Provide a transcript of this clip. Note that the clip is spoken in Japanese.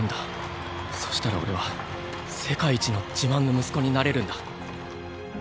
そしたら俺は世界一の自慢の息子になれるんだ。